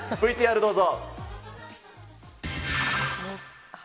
ＶＴＲどうぞ。